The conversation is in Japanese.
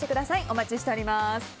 お待ちしております。